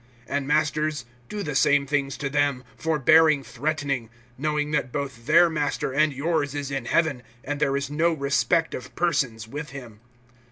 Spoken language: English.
(9)And masters, do the same things to them, forbearing threatening; knowing that both their Master and yours is in heaven, and there is no respect of persons with him.